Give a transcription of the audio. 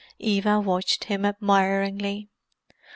Eva watched him admiringly.